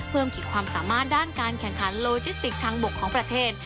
ขีดความสามารถด้านการแข่งขันโลจิสติกทางบกของประเทศ